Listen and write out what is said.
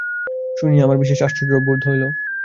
শুনিয়া আমার বিশেষ আশ্চর্য বোধ হইল।